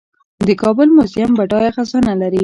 د کابل میوزیم بډایه خزانه لري